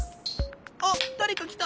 あっだれかきた。